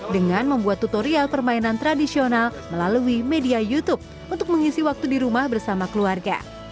dengan membuat tutorial permainan tradisional melalui media youtube untuk mengisi waktu di rumah bersama keluarga